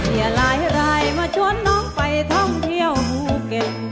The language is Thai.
หลายรายมาชวนน้องไปท่องเที่ยวภูเก็ต